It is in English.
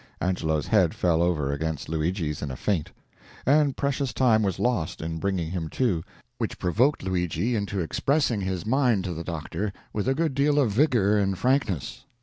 Angelo's head fell over against Luigi's in a faint, and precious time was lost in bringing him to; which provoked Luigi into expressing his mind to the doctor with a good deal of vigor and frankness.